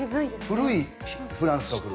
古いフランスの車。